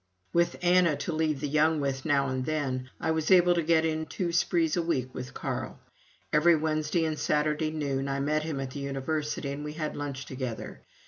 With Anna to leave the young with now and then, I was able to get in two sprees a week with Carl. Every Wednesday and Saturday noon I met him at the University and we had lunch together.